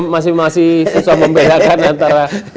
masih susah membelakang antara